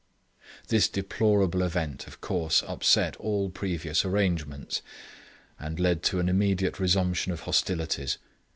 This deplorable event, of course, upset all previous arrangements, and led to an immediate resumption of hostilities.